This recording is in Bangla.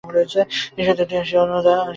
ঈষৎ একটু হাসিয়া সে অন্নদার কাছে আসিয়া বসিল।